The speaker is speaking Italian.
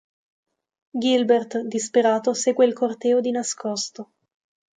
Gilbert, disperato, segue il corteo di nascosto.